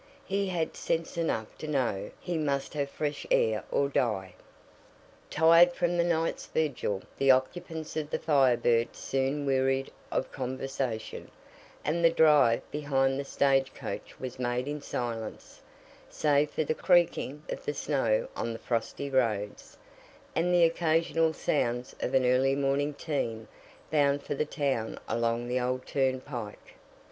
He had sense enough to know he must have fresh air or die." Tired from the night's vigil, the occupants of the Fire Bird soon wearied of conversation, and the drive behind the stage coach was made in silence, save for the creaking of the snow on the frosty roads, and the occasional sounds of an early morning team bound for the town along the old turnpike.